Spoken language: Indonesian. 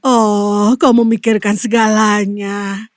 oh kau memikirkan segalanya